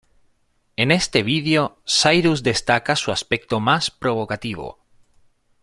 En este video Cyrus destaca su aspecto más provocativo.